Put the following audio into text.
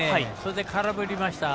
空振りました。